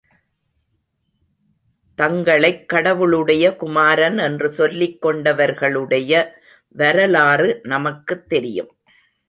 தங்களைக் கடவுளுடைய குமாரன் என்று சொல்லிக் கொண்டவர்களுடைய வரலாறு நமக்குத் தெரியும்.